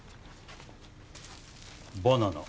バナナ。